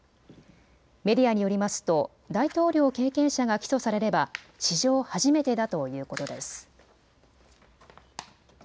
メディアによりますと大統領経験者が起訴されれば史上初めてだということです。